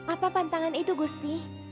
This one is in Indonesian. apa pantangan itu gusti